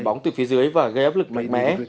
bóng từ phía dưới và gây áp lực mạnh mẽ